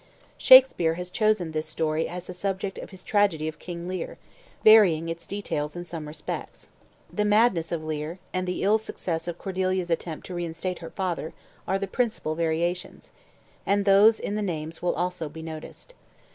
Shakspeare has chosen this story as the subject of his tragedy of "King Lear," varying its details in some respects. The madness of Leir, and the ill success of Cordeilla's attempt to reinstate her father, are the principal variations, and those in the names will also be noticed.